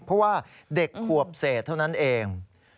เพราะว่าเด็กขวบเศษเท่านั้นเอง